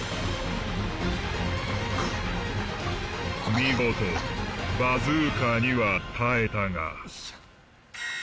見事バズーカには耐えたが。